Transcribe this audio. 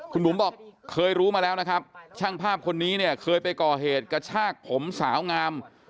คุณบุ๋มบอกเคยรู้มาแล้วนะครับช่างภาพคนนี้เนี่ยเคยไปก่อเหตุกระชากผมสาวงาม